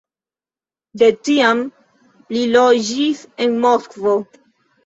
De tiam li loĝis en Moskvo.